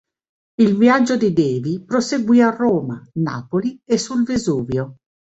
Il viaggio di Davy proseguì a Roma, Napoli e sul Vesuvio.